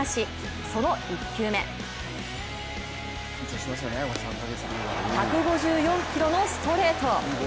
その１球目１５４キロのストレート。